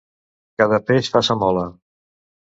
Cada peix fa sa mola.